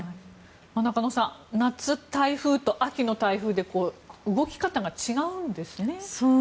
中野さん夏の台風と秋の台風で動き方が違うんですね。